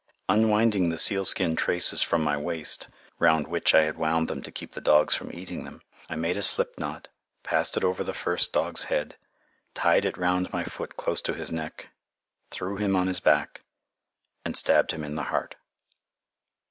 Unwinding the sealskin traces from my waist, round which I had wound them to keep the dogs from eating them, I made a slip knot, passed it over the first dog's head, tied it round my foot close to his neck, threw him on his back, and stabbed him in the heart.